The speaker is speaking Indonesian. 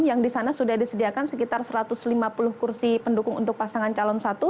yang di sana sudah disediakan sekitar satu ratus lima puluh kursi pendukung untuk pasangan calon satu